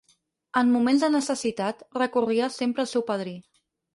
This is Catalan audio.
En moments de necessitat, recorria sempre al seu padrí.